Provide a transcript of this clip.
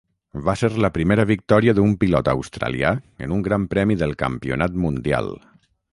Va ser la primera victòria d'un pilot australià en un Gran Premi del Campionat Mundial.